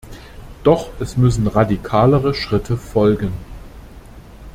Doch es müssen radikalere Schritte folgen.